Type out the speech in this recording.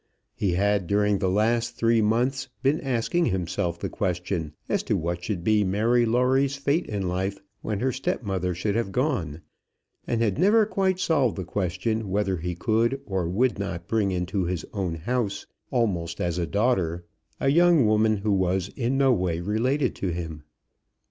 He had during the last three months been asking himself the question as to what should be Mary Lawrie's fate in life when her step mother should have gone, and had never quite solved the question whether he could or would not bring into his own house, almost as a daughter, a young woman who was in no way related to him.